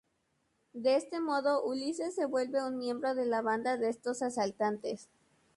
De este modo Ulises se vuelve un miembro de la banda de estos asaltantes.